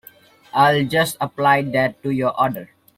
I'll just apply that to your order.